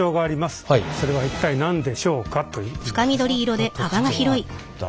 それは一体何でしょうかという問題です。